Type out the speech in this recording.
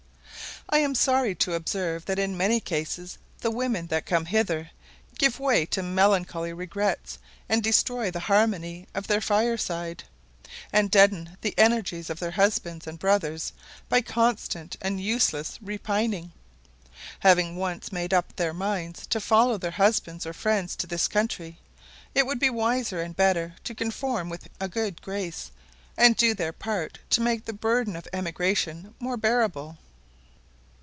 I am sorry to observe, that in many cases the women that come hither give way to melancholy regrets, and destroy the harmony of their fire side, and deaden the energies of their husbands and brothers by constant and useless repining. Having once made up their minds to follow their husbands or friends to this country, it would be wiser and better to conform with a good grace, and do their part to make the burden of emigration more bearable.